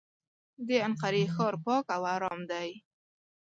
د انقرې ښار پاک او ارام دی.